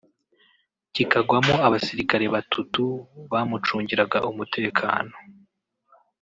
kikagwamo abasirikare batutu bamucungiraga umutekano